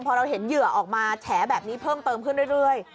พอเราเห็นเหยื่อออกมาแฉแบบนี้เพิ่มเติมขึ้นเรื่อย